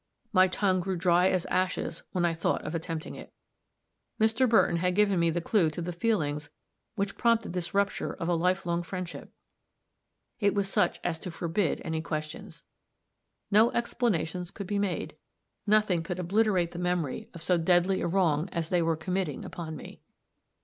My tongue grew dry as ashes when I thought of attempting it. Mr. Burton had given me the clue to the feelings which prompted this rupture of a life long friendship it was such as to forbid any questions. No explanations could be made nothing could obliterate the memory of so deadly a wrong as they were committing upon me.